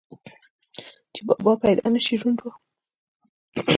چې بابا پېدائشي ړوند وو،